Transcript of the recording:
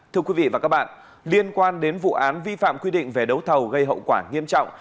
thưa quý vị và các bạn liên quan đến vụ án vi phạm quy định về đấu thầu gây hậu quả nghiêm trọng